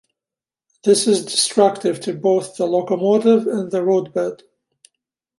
This is destructive to both the locomotive and the roadbed.